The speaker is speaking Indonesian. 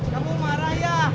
kamu marah ya